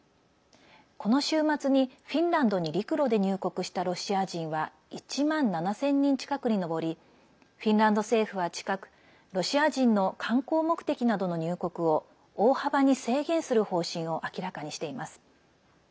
この週末にフィンランドに陸路で入国したロシア人は１万７０００人近くに上りフィンランド政府は近くロシア人の観光目的などの入国を大幅に制限する方針を明らかにしています。